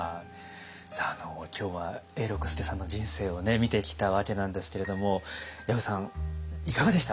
さあ今日は永六輔さんの人生を見てきたわけなんですけれども薮さんいかがでした？